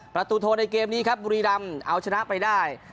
ประตูโทในเกมนี้ครับบุรีรำเอาชนะไปได้